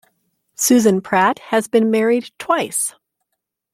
Susan Pratt has been married twice.